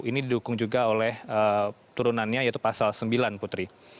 ini didukung juga oleh turunannya yaitu pasal sembilan putri